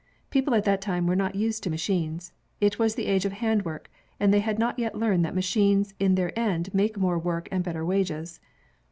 People at that time were not used to machines. It was the age of handwork, and they had not yet learned that machines in the end make more work and better wages.